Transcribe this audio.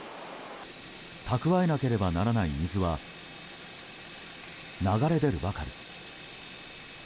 たくわえなければならない水は流れ出るばかり。